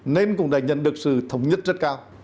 nên cũng đã nhận được sự thống nhất rất cao